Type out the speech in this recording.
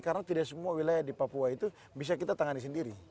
karena tidak semua wilayah di papua itu bisa kita tangani sendiri